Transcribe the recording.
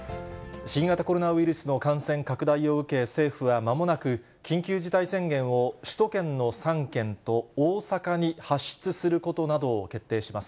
新型コロナウイルスの感染拡大を受け、政府はまもなく、緊急事態宣言を首都圏の３県と、大阪に発出することなどを決定します。